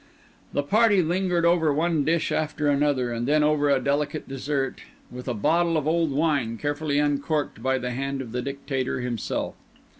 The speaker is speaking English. The party lingered over one dish after another, and then over a delicate dessert, with a bottle of old wine carefully uncorked by the hand of the Dictator himself.